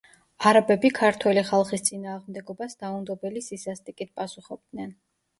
არაბები ქართველი ხალხის წინააღმდეგობას დაუნდობელი სისასტიკით პასუხობდნენ.